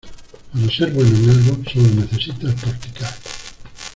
Para ser bueno en algo solo necesitas practicar.